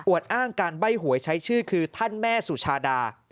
อ้างการใบ้หวยใช้ชื่อคือท่านแม่สุชาดา